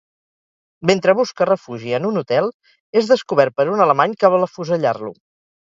Mentre busca refugi en un hotel, és descobert per un alemany que vol afusellar-lo.